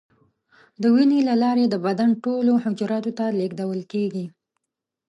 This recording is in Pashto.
د وینې له لارې د بدن ټولو حجراتو ته لیږدول کېږي.